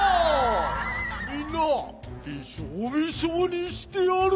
みんなびしょびしょにしてやる！